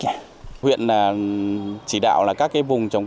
huyện chỉ đạo là các cái vùng trồng cây